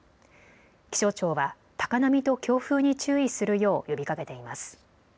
気象庁は高波と強風に注意するよう呼びかけています。